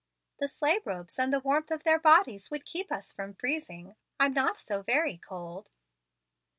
The sleigh robes and the warmth of their bodies would keep us from freezing; I'm not so very cold."